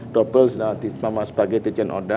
double sama sebagai tijen oda